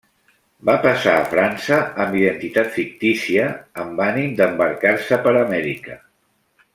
Va passar a França amb identitat fictícia amb ànim d'embarcar-se per a Amèrica.